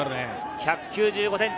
１９５ｃｍ